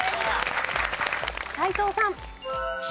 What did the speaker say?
斎藤さん。